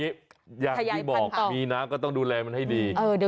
อย่างที่บอกมีน้ำก็ต้องดูแลมันให้ดี